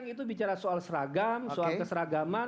itu bicara soal seragam soal keseragaman